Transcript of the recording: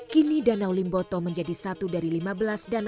kini menciut menjadi dua ribu hektar saja